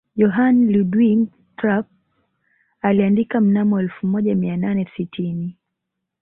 Johann Ludwig Krapf aliandika mnamo elfu moja mia nane sitini